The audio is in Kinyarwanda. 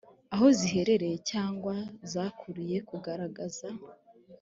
aho ziherereye cyangwa zagukiye kugaragaza